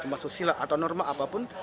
termasuk silat atau norma apapun